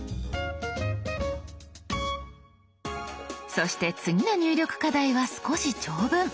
そして次の入力課題は少し長文。